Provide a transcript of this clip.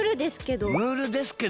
ムールですけど。